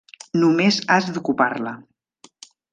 Només has d'ocupar-la.